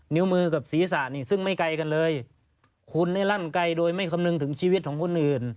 นิ้วมือกับศีรษะนี่ซึ่งไม่ไกลกันเลยคุณนี่ลั่นไกลโดยไม่คำนึงถึงชีวิตของคนอื่น